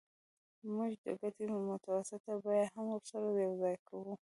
موږ د ګټې متوسطه بیه هم ورسره یوځای کوو